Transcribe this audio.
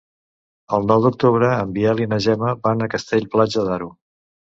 El nou d'octubre en Biel i na Gemma van a Castell-Platja d'Aro.